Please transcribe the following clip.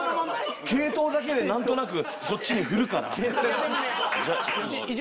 系統だけでなんとなくそっちに振るから。